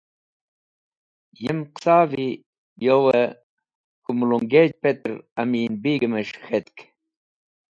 Yem qisa’vi yowe k̃hũ mulungej petr Amin Beg mes̃h k̃hetk.